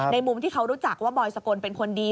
มุมที่เขารู้จักว่าบอยสกลเป็นคนดี